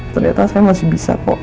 ternyata saya masih bisa kok